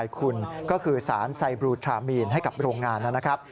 คุณก็คือสารไซบลูทรามีนให้กับโรงงานนะครับ